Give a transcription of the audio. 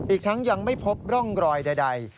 อีกทั้งยังไม่พบร่องรอยใด